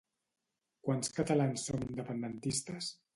Quants catalans som independentistes?